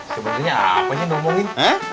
sebenernya apa yang diomongin